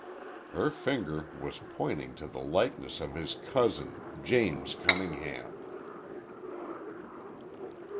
Her finger was pointing to the likeness of his cousin James Cunningham.